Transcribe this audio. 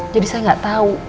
jadi saya gak tau